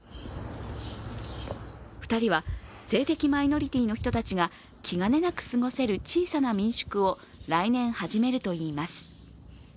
２人は性的マイノリティーの人たちが気兼ねなく過ごせる小さな民宿を来年始めるといいます。